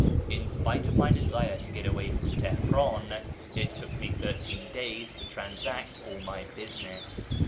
In spite of my desire to get away from Teher; in, it took me thirteen days to transact all my business.